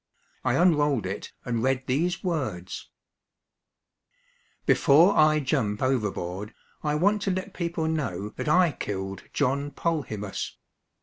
I unrolled it, and read these words: Before I jump overboard, I want to let people know that I killed John Polhemus.